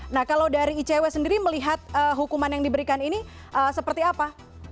nah kalau dari icw sendiri melihat hukuman yang diberikan ini seperti apa